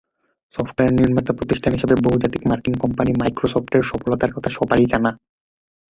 Software নির্মাতা প্রতিষ্ঠান হিসেবে বহুজাতিক মার্কিন কোম্পানি মাইক্রোসফটের সফলতার কথা সবারই জানা।